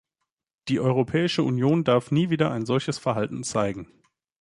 Die Europäische Union darf nie wieder ein solches Verhalten zeigen.